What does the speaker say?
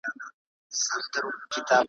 په سينو کې توپانونه `